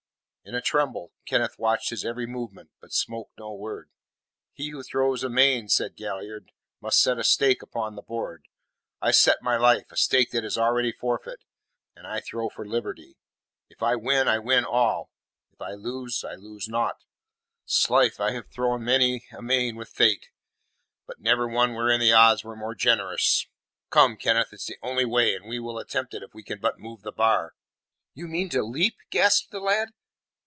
In a tremble, Kenneth watched his every movement, but spoke no word. "He who throws a main," said Galliard, "must set a stake upon the board. I set my life a stake that is already forfeit and I throw for liberty. If I win, I win all; if I lose, I lose naught. 'Slife, I have thrown many a main with Fate, but never one wherein the odds were more generous. Come, Kenneth, it is the only way, and we will attempt it if we can but move the bar." "You mean to leap?" gasped the lad.